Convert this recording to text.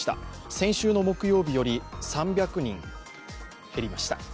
先週の木曜日より３００人減りました。